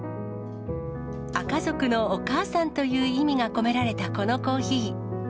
アカ族のお母さんという意味が込められたこのコーヒー。